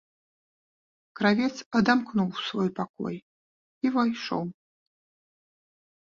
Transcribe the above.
Кравец адамкнуў свой пакой і ўвайшоў.